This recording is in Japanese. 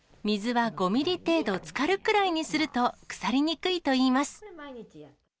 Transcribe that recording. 水は５ミリ程度つかるくらいにすると腐りにくいといいます。